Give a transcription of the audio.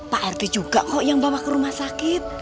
pak rt juga kok yang bawa kerumah sakit